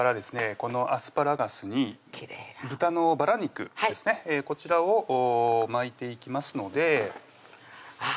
このアスパラガスに豚のバラ肉ですねこちらを巻いていきますのであっ